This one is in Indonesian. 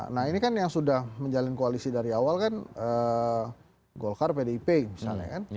nah ini kan yang sudah menjalin koalisi dari awal kan golkar pdip misalnya kan